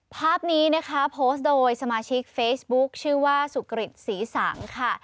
ภาพนี้นะคะโพสต์โดยสมาชิกเฟซบุ๊คชื่อว่าสุกริตศรีสังค่ะ